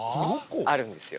あるんですよ。